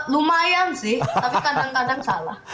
lumayan sih tapi kadang kadang salah